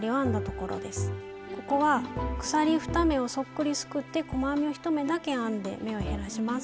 ここは鎖２目をそっくりすくって細編みを１目だけ編んで目を減らします。